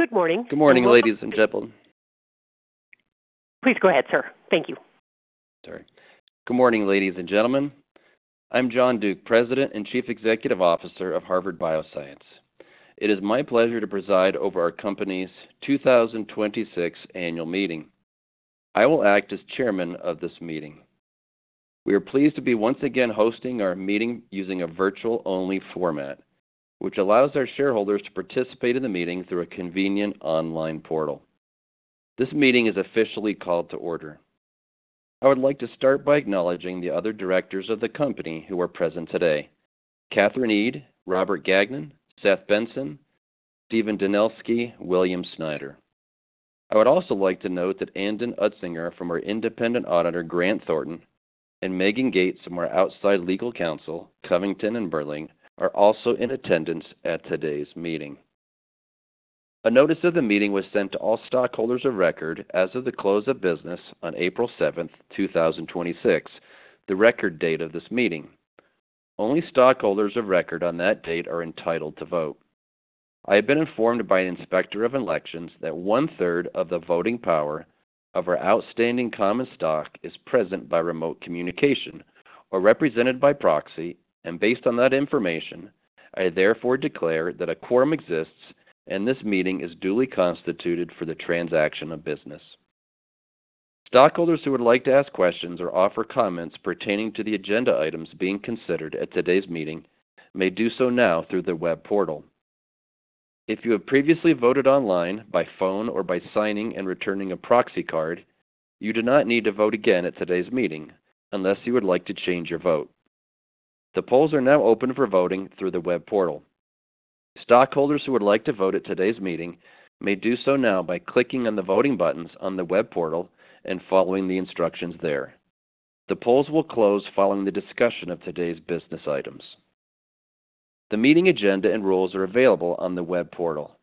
Good morning. Good morning, ladies and gentlemen. Please go ahead, sir. Thank you. Sorry. Good morning, ladies and gentlemen. I'm John Duke, President and Chief Executive Officer of Harvard Bioscience. It is my pleasure to preside over our company's 2026 annual meeting. I will act as chairman of this meeting. We are pleased to be once again hosting our meeting using a virtual-only format, which allows our shareholders to participate in the meeting through a convenient online portal. This meeting is officially called to order. I would like to start by acknowledging the other directors of the company who are present today: Katherine Eade, Robert Gagnon, Seth Benson, Stephen DeNelsky, William Snyder. I would also like to note that Anden Utzinger from our independent auditor, Grant Thornton, and Megan Gates from our outside legal counsel, Covington & Burling, are also in attendance at today's meeting. A notice of the meeting was sent to all stockholders of record as of the close of business on April 7th, 2026, the record date of this meeting. Only stockholders of record on that date are entitled to vote. I have been informed by an inspector of elections that one-third of the voting power of our outstanding common stock is present by remote communication or represented by proxy. Based on that information, I therefore declare that a quorum exists, and this meeting is duly constituted for the transaction of business. Stockholders who would like to ask questions or offer comments pertaining to the agenda items being considered at today's meeting may do so now through the web portal. If you have previously voted online, by phone, or by signing and returning a proxy card, you do not need to vote again at today's meeting unless you would like to change your vote. The polls are now open for voting through the web portal. Stockholders who would like to vote at today's meeting may do so now by clicking on the voting buttons on the web portal and following the instructions there. The polls will close following the discussion of today's business items. The meeting agenda and rules are available on the web portal.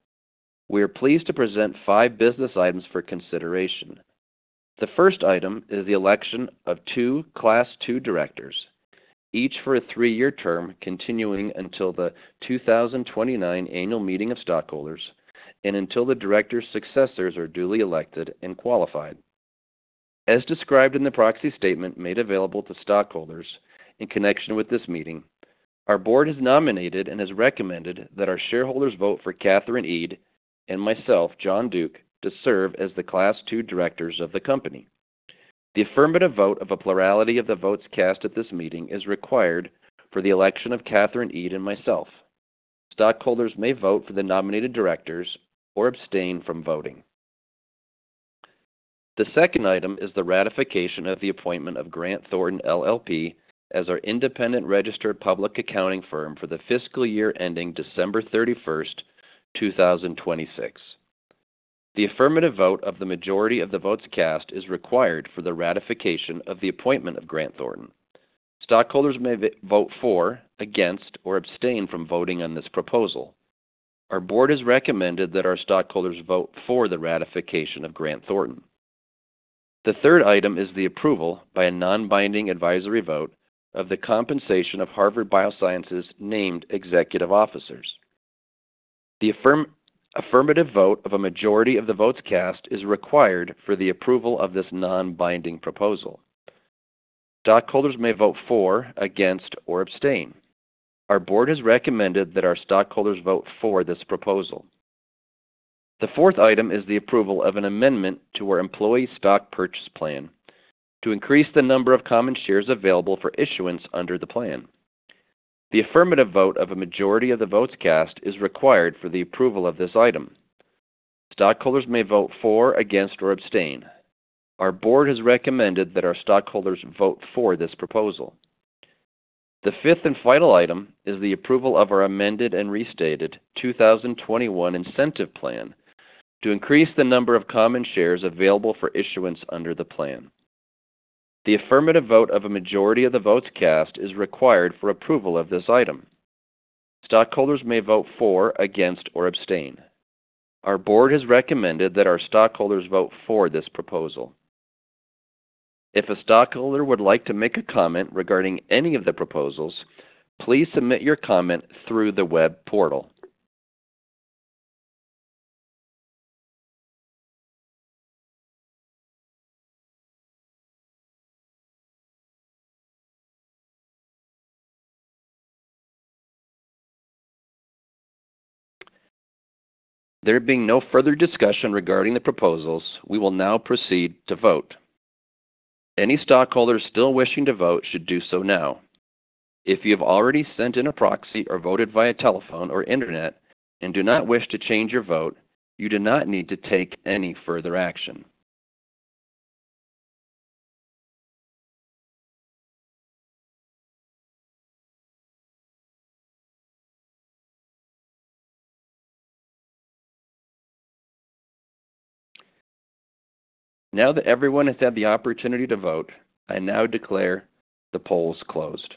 We are pleased to present five business items for consideration. The first item is the election of two Class II directors, each for a three-year term, continuing until the 2029 annual meeting of stockholders and until the directors' successors are duly elected and qualified. As described in the proxy statement made available to stockholders in connection with this meeting, our board has nominated and has recommended that our shareholders vote for Katherine Eade and myself, John Duke, to serve as the Class II directors of the company. The affirmative vote of a plurality of the votes cast at this meeting is required for the election of Katherine Eade and myself. Stockholders may vote for the nominated directors or abstain from voting. The second item is the ratification of the appointment of Grant Thornton LLP as our independent registered public accounting firm for the fiscal year ending December 31st, 2026. The affirmative vote of the majority of the votes cast is required for the ratification of the appointment of Grant Thornton. Stockholders may vote for, against, or abstain from voting on this proposal. Our board has recommended that our stockholders vote for the ratification of Grant Thornton. The third item is the approval by a non-binding advisory vote of the compensation of Harvard Bioscience's named executive officers. The affirmative vote of a majority of the votes cast is required for the approval of this non-binding proposal. Stockholders may vote for, against, or abstain. Our board has recommended that our stockholders vote for this proposal. The fourth item is the approval of an amendment to our employee stock purchase plan to increase the number of common shares available for issuance under the plan. The affirmative vote of a majority of the votes cast is required for the approval of this item. Stockholders may vote for, against, or abstain. Our board has recommended that our stockholders vote for this proposal. The fifth and final item is the approval of our amended and restated 2021 incentive plan to increase the number of common shares available for issuance under the plan. The affirmative vote of a majority of the votes cast is required for approval of this item. Stockholders may vote for, against, or abstain. Our board has recommended that our stockholders vote for this proposal. If a stockholder would like to make a comment regarding any of the proposals, please submit your comment through the web portal. There being no further discussion regarding the proposals, we will now proceed to vote. Any stockholder still wishing to vote should do so now. If you have already sent in a proxy or voted via telephone or internet and do not wish to change your vote, you do not need to take any further action. Now that everyone has had the opportunity to vote, I now declare the polls closed.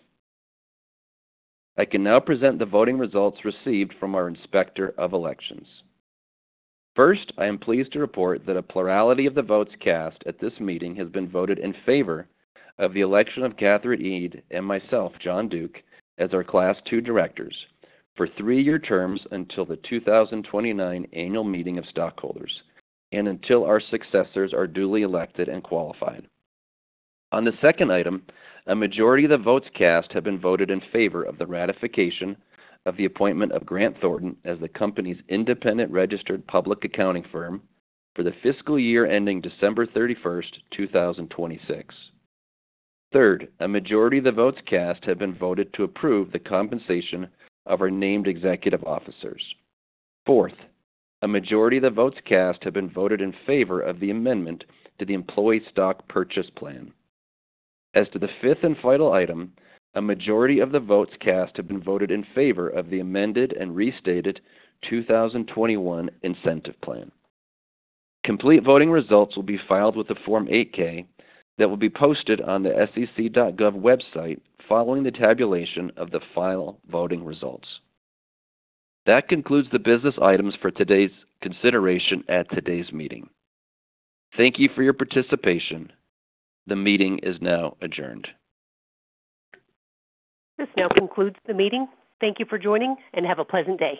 I can now present the voting results received from our inspector of elections. First, I am pleased to report that a plurality of the votes cast at this meeting has been voted in favor of the election of Katherine Eade and myself, John Duke, as our Class II directors for three-year terms until the 2029 annual meeting of stockholders and until our successors are duly elected and qualified. On the second item, a majority of the votes cast have been voted in favor of the ratification of the appointment of Grant Thornton as the company's independent registered public accounting firm for the fiscal year ending December 31st, 2026. Third, a majority of the votes cast have been voted to approve the compensation of our named executive officers. Fourth, a majority of the votes cast have been voted in favor of the amendment to the employee stock purchase plan. As to the fifth and final item, a majority of the votes cast have been voted in favor of the amended and restated 2021 incentive plan. Complete voting results will be filed with the Form 8-K that will be posted on the sec.gov website following the tabulation of the final voting results. That concludes the business items for today's consideration at today's meeting. Thank you for your participation. The meeting is now adjourned. This now concludes the meeting. Thank you for joining. Have a pleasant day.